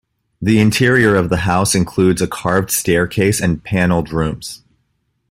The interior of the house includes a carved staircase and panelled rooms.